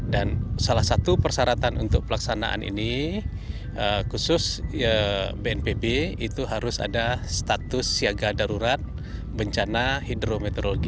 dan salah satu persyaratan untuk pelaksanaan ini khusus bnpb itu harus ada status siaga darurat bencana hidrometeorologi